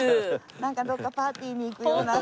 なんかどこかパーティーに行くような。